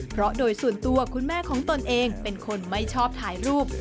เพราะโดยส่วนตัวคุณแม่ของตนเองเป็นคนไม่ชอบถ่ายรูป